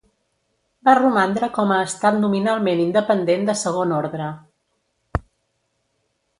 Va romandre com a estat nominalment independent de segon ordre.